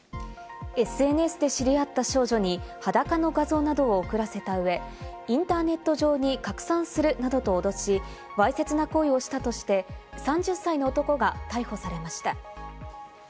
ＳＮＳで知り合った少女に裸の画像などを送らせた上、インターネット上に拡散するなどと脅し、わいせつな行為をしたとして３０歳の男が逮捕されました。